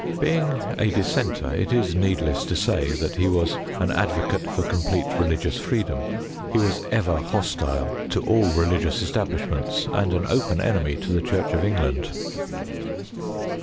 Being a dissenter, it is needless to say that he was an advocate for complete religious freedom. He was ever hostile to all religious establishments, and an open enemy to the church of England.